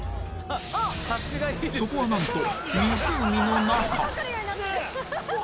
そこはなんと湖の中。